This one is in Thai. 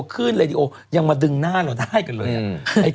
ขึ้นเลยดีโอยังมาดึงหน้าเราได้กันเลย